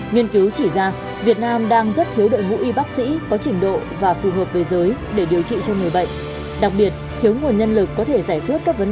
nghiên cứu chỉ ra việt nam đang rất thiếu đội ngũ y bác sĩ có trình độ và phù hợp với giới để điều trị cho người bệnh